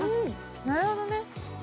なるほどね。